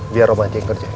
biar romanti yang kerjain ya